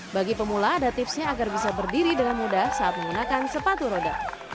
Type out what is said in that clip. bagi pemula ada tipsnya agar bisa berdiri dengan mudah saat menggunakan sepatu roda